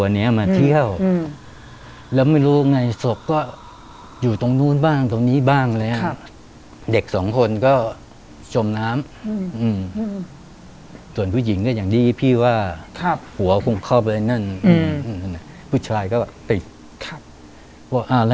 นั่งอยู่ที่โต๊ะทานอาหาร